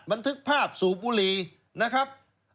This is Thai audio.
บรรทึกภาพสู่บุรีนะครับ